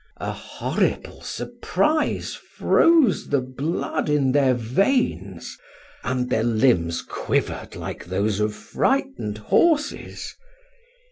A horrible surprise froze the blood in their veins, and their limbs quivered like those of frightened horses.